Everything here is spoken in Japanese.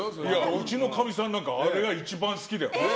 うちのかみさんなんかあれが一番好きだよ。